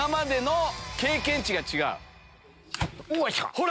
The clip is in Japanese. ほら！